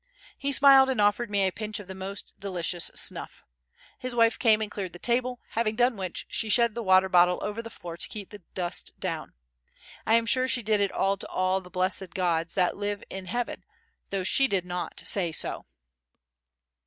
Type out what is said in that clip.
He smiled and offered me a pinch of the most delicious snuff. His wife came and cleared the table, having done which she shed the water bottle over the floor to keep the dust down. I am sure she did it all to all the blessed gods that live in heaven, though she did not say so.